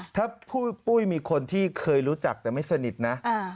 ถ้าปุ้ยมีคนที่เคยรู้จักแต่ไม่สนิทนะ